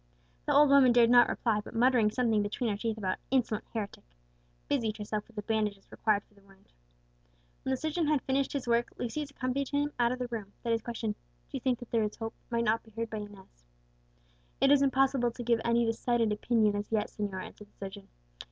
The old woman dared not reply, but muttering something between her teeth about "insolent heretic," busied herself with the bandages required for the wound. When the surgeon had finished his work, Lucius accompanied him out of the room, that his question, "Do you think that there is hope?" might not be heard by Inez. "It is impossible to give any decided opinion as yet, señor," answered the surgeon.